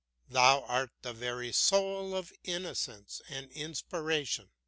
Thou art the very soul of innocence and inspiration.